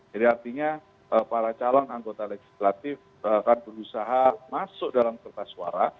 jadi artinya para calon anggota legislatif akan berusaha masuk dalam kertas suara